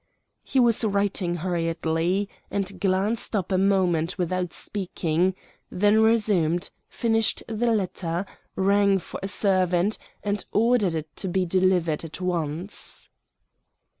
He was writing hurriedly, and glanced up a moment without speaking, then resumed, finished the letter, rang for a servant, and ordered it to be delivered at once.